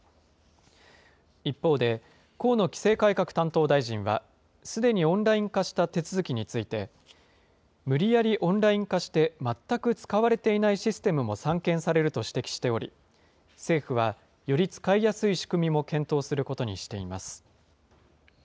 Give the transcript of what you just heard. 一方で、河野規制改革担当大臣はすでにオンライン化した手続きについて、無理やりオンライン化して、全く使われていないシステムも散見されると指摘しており、政府はより使いやすい仕組みも検討することにしています。